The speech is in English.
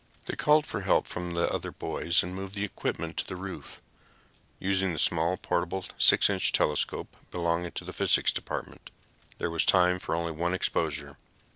They called for help from the other boys and moved the equipment to the roof, using the small, portable 6 inch telescope belonging to the physics department. There was time for only one exposure.